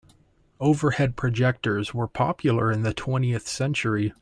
Overhead projectors were popular in the twentieth century.